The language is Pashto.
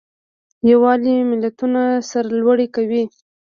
یووالی ملتونه سرلوړي کوي.